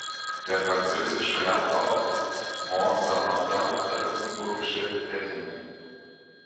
Der französische Nachbarort ist Mont-Saint-Martin, der luxemburgische Petingen.